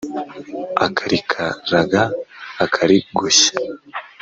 akarikaraga akarigoshya